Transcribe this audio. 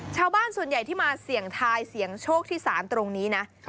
ชาวบ้านส่วนใหญ่ที่มาเสี่ยงทายเสี่ยงโชคที่ศาลตรงนี้นะ